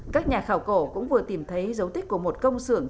các nhà khảo cổ cũng vừa tìm thấy dấu tích của một công sưởng